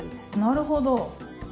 なるほど。